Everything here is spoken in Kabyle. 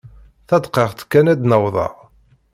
Tadqiqt kan ad n-awḍeɣ.